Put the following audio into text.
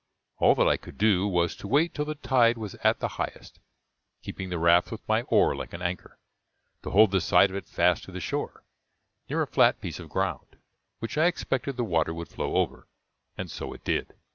All that I could do was to wait till the tide was at the highest, keeping the raft with my oar like an anchor, to hold the side of it fast to the shore, near a flat piece of ground, which I expected the water would flow over; and so it did.